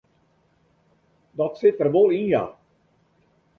Dat sit der wol yn ja.